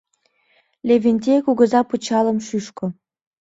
Левентей кугыза пычалым шӱшкӧ.